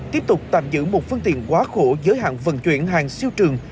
tiếp tục tạm giữ một phương tiện quá khổ giới hạn vận chuyển hàng siêu trường